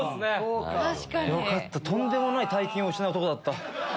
よかったとんでもない大金を失うとこだった。